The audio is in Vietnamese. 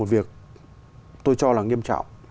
việc tôi cho là nghiêm trọng